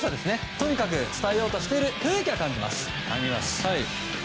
とにかく伝えようとしている雰囲気は感じます。